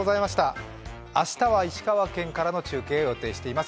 明日は石川県からの中継を予定しています。